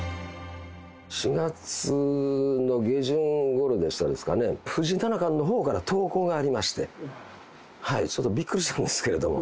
４月の下旬ごろでしたですかね、藤井七冠のほうから投稿がありまして、びっくりしたんですけれども。